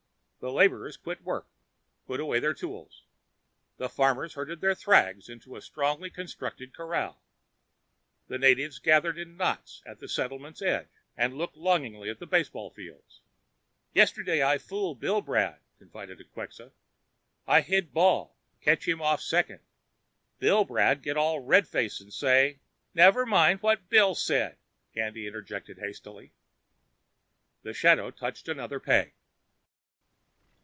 The laborers quit work, put away their tools. The farmers herded their thrags into a strongly constructed corral. The natives gathered in knots at the settlement edge and looked longingly at the baseball fields. "Yestday I fool Billbrad," confided the Quxa. "I hide ball, catch him off second. Billbrad get all red face and say " "Never mind what Bill said," Candy interjected hastily. The shadow touched another peg.